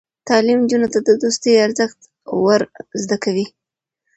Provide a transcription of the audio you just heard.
تعلیم نجونو ته د دوستۍ ارزښت ور زده کوي.